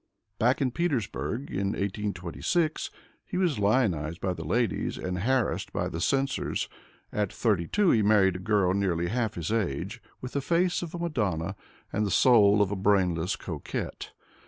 Back in Petersburg, in 1826, he was lionized by the ladies and harassed by the censors. At thirty two he married a girl nearly half his age, with the face of a madonna and the soul of a brainless coquette.